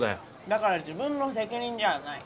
だから自分の責任じゃない。